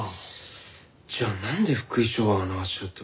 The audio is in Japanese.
じゃあなんで福井翔はあの足跡を？